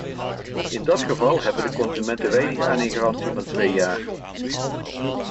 In dat geval hebben de consumenten weinig aan een garantie van twee jaar.